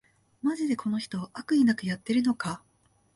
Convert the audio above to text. マジでこの人、悪意なくやってるのか